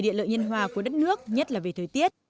địa lợi nhân hòa của đất nước nhất là về thời tiết